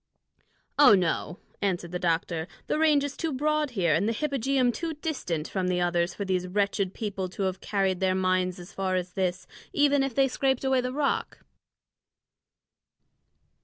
"Oh, no," answered the doctor; "the range is too broad here and the hypogeum too distant from the others for these wretched people to have carried their mines as far as this, even if they scraped away the rock."